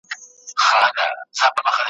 د ښکاري به په ښکار نه سوې چمبې غوړي !.